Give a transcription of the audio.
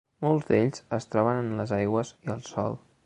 Molts d'ells es troben en les aigües i el sòl.